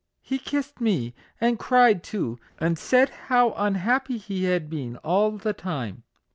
he kissed me, and cried too ; and said how unhappy he had been all the time.